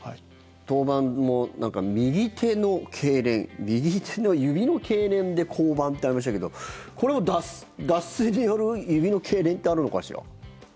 登板も、右手のけいれん右手の指のけいれんで降板ってありましたけどこれも脱水による指のけいれんってあるのかしら。